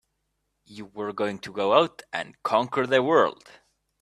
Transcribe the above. You were going to go out and conquer the world!